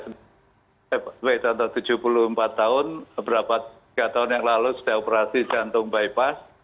saya berusaha tujuh puluh empat tahun beberapa tahun yang lalu sudah operasi jantung bypass